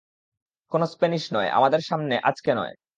কোনো স্প্যানিশ নয়, আমাদের সামনে, আজকে নয়।